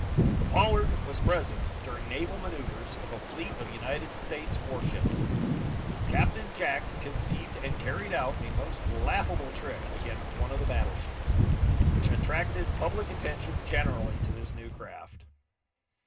The "Pollard" was present during naval manoeuvres of a fleet of United States warships. Captain Jack conceived and carried out a most laughable trick against one of the battleships, which attracted public attention generally to this new craft.